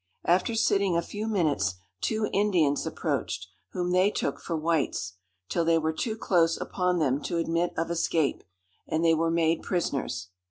After sitting a few minutes, two Indians approached, whom they took for whites, till they were too close upon them to admit of escape, and they were made prisoners.